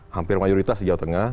hampir mayoritas di jawa tengah